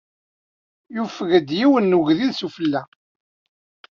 Yufeg-d yiwen n wegḍiḍ sufella.